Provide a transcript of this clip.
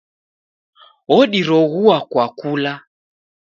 Odiroghua kwa kula